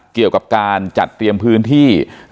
เกี่ยวกับการจัดเตรียมพื้นที่